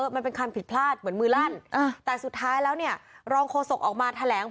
มันเป็นคารผิดพลาดเหมือนมึงฤ่นแต่สุดท้ายแล้วรองโคโศกออกมาแทลงล่ะ